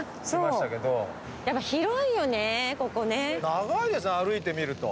長いですね歩いてみると。